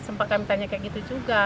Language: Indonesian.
sempat kami tanya kayak gitu juga